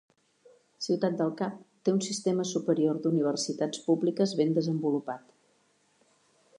Ciutat del Cap té un sistema superior d'universitats públiques ben desenvolupat.